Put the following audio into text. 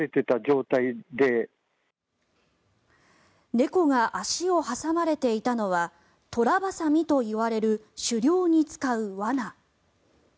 猫が足を挟まれていたのはトラバサミといわれる狩猟に使われる罠。